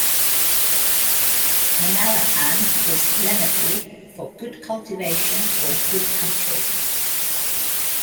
"Manalapan" is Lenape for "good cultivation" or "good country".